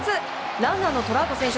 ランナーのトラウト選手